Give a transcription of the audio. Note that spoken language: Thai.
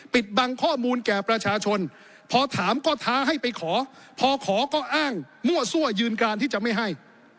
ปิดบังข้อมูลแก่ประชาชนพอถามก็ท้าให้ไปขอพอขอก็อ้างมั่วซั่วยืนการที่จะไม่ให้